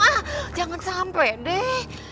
ah jangan sampe deh